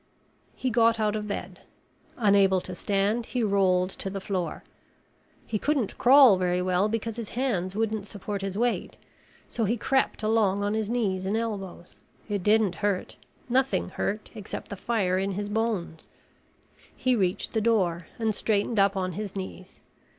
He got out of bed. Unable to stand, he rolled to the floor. He couldn't crawl very well because his hands wouldn't support his weight so he crept along on his knees and elbows. It didn't hurt. Nothing hurt except the fire in his bones. He reached the door and straightened up on his knees.